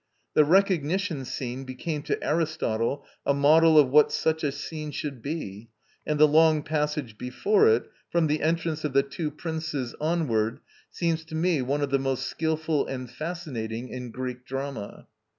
The recognition scene became to Aristotle a model of what such a scene should be; and the long passage before it, from the entrance of the two princes onward, seems to me one of the most skilful and fascinating in Greek drama.